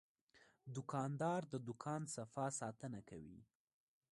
دوکاندار د دوکان صفا ساتنه کوي.